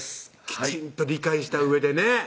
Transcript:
きちんと理解したうえでね